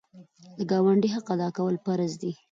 د ګاونډي حق ادا کول فرض دي.